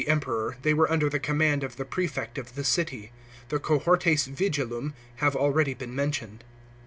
71 Emperor, they were under the command of the prefect of the city. The cohortes vigilum have already been mentioned.